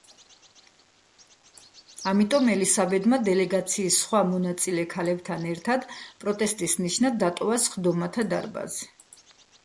ამიტომ ელისაბედმა დელეგაციის სხვა მონაწილე ქალებთან ერთად პროტესტის ნიშნად დატოვა სხდომათა დარბაზი.